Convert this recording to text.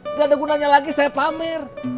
nggak ada gunanya lagi saya pamer